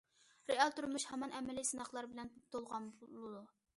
رېئال تۇرمۇش ھامان ئەمەلىي سىناقلار بىلەن تولغان بولىدۇ.